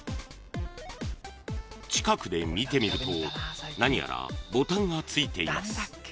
［近くで見てみると何やらボタンが付いています］